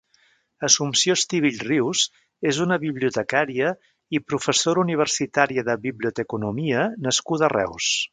Assumpció Estivill Rius és una bibliotecària i professora universitària de biblioteconomia nascuda a Reus.